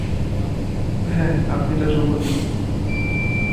হ্যাঁ, আপনি তো যুবতী।